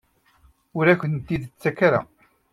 Ur ak-tent-id-tettak ara?